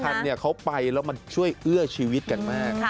แต่ที่สำคัญเขาไปแล้วมันช่วยเอื้อชีวิตกันมาก